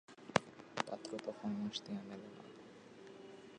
পাত্র তো ফর্মাশ দিয়া মেলে না।